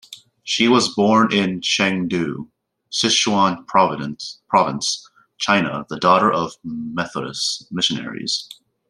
She was born in Chengdu, Sichuan province, China, the daughter of Methodist missionaries.